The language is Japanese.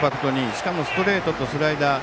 しかもストレートとスライダー。